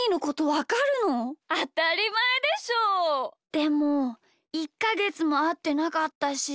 でもいっかげつもあってなかったし。